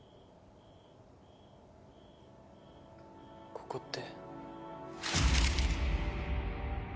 ここって。